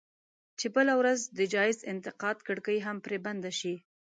چې بله ورځ د جايز انتقاد کړکۍ هم پرې بنده شي.